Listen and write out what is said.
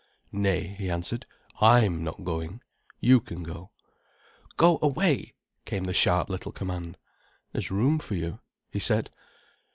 "Nay," he answered, "I'm not going. You can go." "Go away," came the sharp little command. "There's room for you," he said.